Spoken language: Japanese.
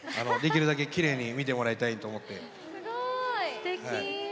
すてき！